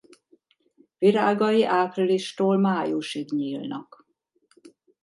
Virágai áprilistól májusig nyílnak.